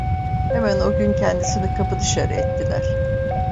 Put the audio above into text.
Hemen o gün kendisini kapı dışarı ettiler.